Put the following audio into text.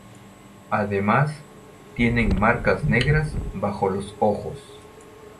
Además tienen marcas negras bajo los ojos.